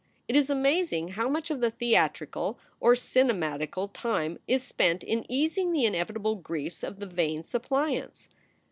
It is amazing how much of the theatrical or cinematical time is spent in easing the inevitable griefs of the vain suppliants.